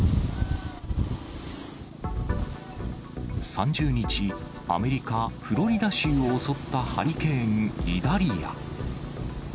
３０日、アメリカ・フロリダ州を襲ったハリケーン・イダリア。